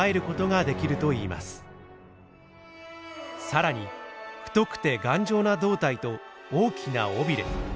さらに太くて頑丈な胴体と大きな尾びれ。